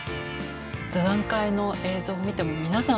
座談会の映像を見ても皆さん